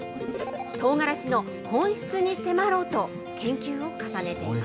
とうがらしの本質に迫ろうと、研究を重ねています。